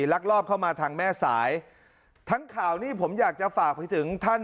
ลักลอบเข้ามาทางแม่สายทั้งข่าวนี้ผมอยากจะฝากไปถึงท่าน